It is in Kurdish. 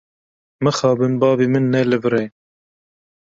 Mixabin bavê min ne li vir e.